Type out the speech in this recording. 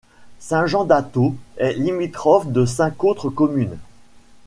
Saint-Jean-d'Ataux est limitrophe de cinq autres communes.